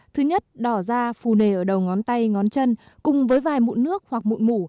thứ nhất đỏ da phù nề ở đầu ngón tay ngón chân cùng với vài mụn nước hoặc mụn mủ